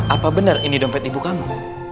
apa benar ini dompet ibu kamu